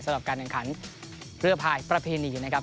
สำหรับการแข่งขันเรือภายประเพณีนะครับ